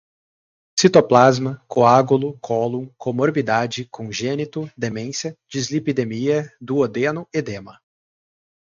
citoplasma, coágulo, cólon, comorbidade, congênito, demência, dislipidemia, duodeno, edema